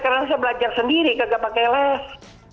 karena saya belajar sendiri gak pakai les